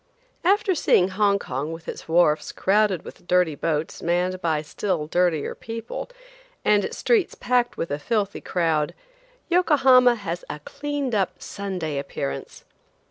AFTER seeing Hong Kong with its wharfs crowded with dirty boats manned by still dirtier people, and its streets packed with a filthy crowd, Yokohama has a cleaned up Sunday appearance.